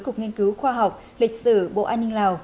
cục nghiên cứu khoa học lịch sử bộ an ninh lào